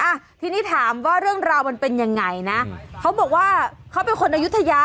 อ่ะทีนี้ถามว่าเรื่องราวมันเป็นยังไงนะเขาบอกว่าเขาเป็นคนอายุทยา